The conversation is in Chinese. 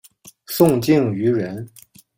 宋敬舆人。